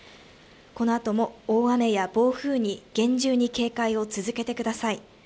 このあとも大雨や暴風に厳重に警戒を続けてください。